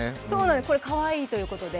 かわいいということで。